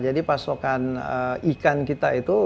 jadi pasokan ikan kita itu